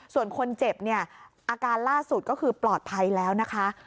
ส่วนคนเจ็บเนี่ยอาการล่าสุดก็คือปลอดภัยแล้วนะคะ